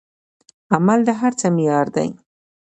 عمل د هر څه معیار دی.